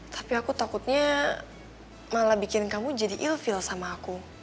tapi aku takutnya malah bikin kamu jadi ilfield sama aku